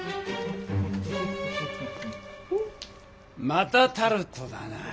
またタルトだな。